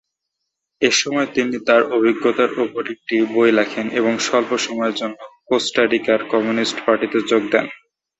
এসময় তিনি তার অভিজ্ঞতার উপর একটি বই লেখেন এবং স্বল্প সময়ের জন্য কোস্টা রিকার কমিউনিস্ট পার্টিতে যোগ দেন।